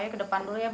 ayo ke depan dulu nyak